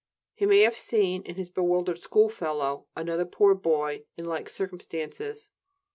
He may have seen in his bewildered schoolfellow another poor boy in like circumstances.